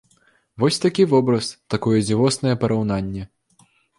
Вось такі вобраз, такое дзівоснае параўнанне.